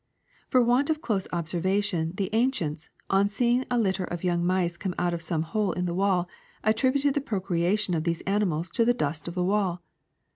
*'For want of close observation the ancients, on seeing a litter of young mice come out of some hole in the wall, attributed the procreation of these ani mals to the dust of the w^all.